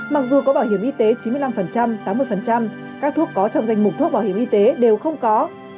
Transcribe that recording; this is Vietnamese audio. mặc dù có bảo hiểm y tế chín mươi năm tám mươi các thuốc có trong danh mục thuốc bảo hiểm y tế đều không có